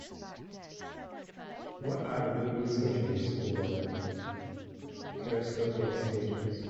What are the movie schedules for Kerasotes Theatres